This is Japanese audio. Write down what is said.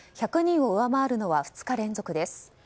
１００人を上回るのは２日連続です。